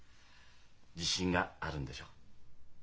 自信があるんでしょ？